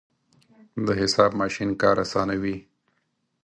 د حساب ماشین کار اسانوي.